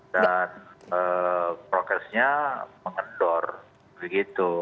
dan progressnya mengendor begitu